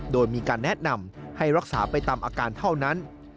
โดยมีการแนะนำให้รักษาไปตามอาการเท่านั้น